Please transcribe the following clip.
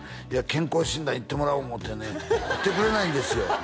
健康診断行ってもらおう思うてね行ってくれないんですよ